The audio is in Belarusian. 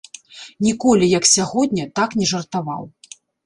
Ніколі, як сягоння, так не жартаваў.